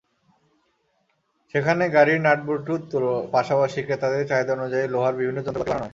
সেখানে গাড়ির নাটবল্টুর পাশাপাশি ক্রেতাদের চাহিদা অনুযায়ী লোহার বিভিন্ন যন্ত্রপাতি বানানো হয়।